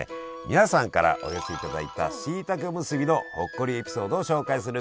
皆さんからお寄せいただいたしいたけおむすびのほっこりエピソードを紹介するコーナーです！